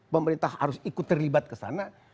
pemerintah harus ikut terlibat kesana